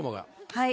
はい。